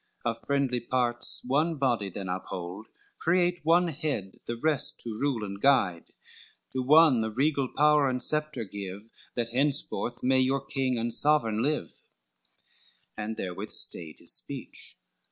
Of friendly parts one body then uphold, Create one head, the rest to rule and guide: To one the regal power and sceptre give, That henceforth may your King and Sovereign live." XXXII And therewith stayed his speech.